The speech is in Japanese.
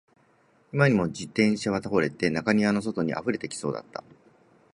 今にも自転車は倒れて、中庭の外に溢れてきそうだった